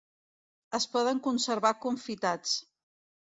Es poden conservar confitats.